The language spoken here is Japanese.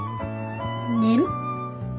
寝る？